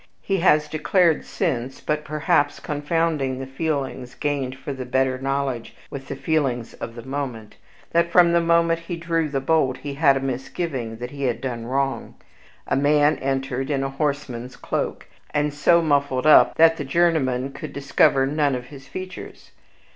He has declared since but, perhaps, confounding the feelings gained from better knowledge with the feelings of the moment that from the moment he drew the bolt he had a misgiving that he had done wrong. A man entered in a horseman's cloak, and so muffled up that the journeyman could discover none of his features.